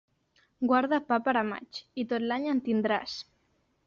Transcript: Guarda pa per a maig, i tot l'any en tindràs.